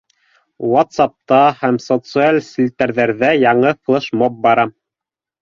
Вацапта һәм социаль селтәрҙәрҙә яңы флешмоб бара.